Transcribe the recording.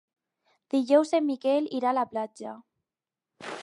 Dijous en Miquel irà a la platja.